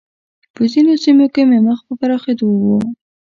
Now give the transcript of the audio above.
په ځینو سیمو کې مخ په پراخېدو و